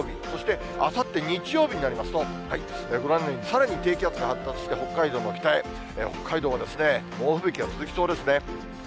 そして、あさって日曜日になりますと、ご覧のように、さらに低気圧が発達して北海道の北へ、北海道は猛吹雪が続きそうですね。